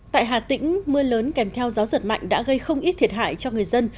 tại hà tĩnh mưa lớn kèm theo gió giật mạnh đã gây không ít thiệt hại cho người dân